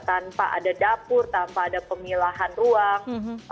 tanpa ada dapur tanpa ada pemilahan ruang